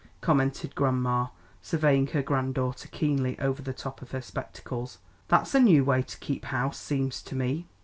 commented grandma, surveying her granddaughter keenly over the top of her spectacles; "that's a new way to keep house, seems to me."